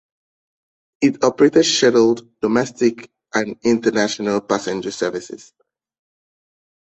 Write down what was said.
It operated scheduled, domestic and international passenger services.